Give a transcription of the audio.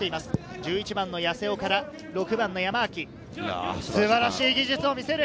１１番の八瀬尾から６番の山脇、素晴らしい技術を見せる。